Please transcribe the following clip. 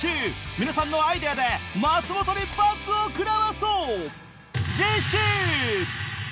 皆さんのアイデアで松本に罰を食らわそう！